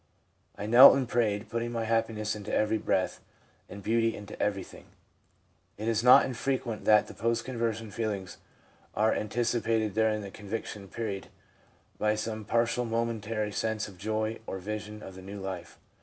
I knelt and prayed, putting happiness into every breath, and beauty into everything/ It is not infrequent that the post conversion feelings are anticipated during the con viction period by some partial momentary sense of joy or vision of the new life.